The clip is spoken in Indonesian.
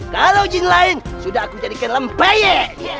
kalau jin lain sudah aku jadikan lempayek